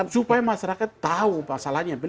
supaya masyarakat tahu masalahnya